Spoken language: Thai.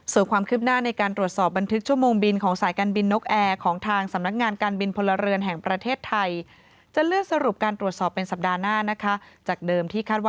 ส่งความคืบหน้าในการตรวจสอบบันทึกชั่วโมงบินของสายการบินนกแอร์